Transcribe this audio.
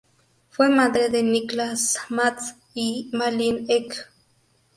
Fue madre de Niklas, Mats y Malin Ek.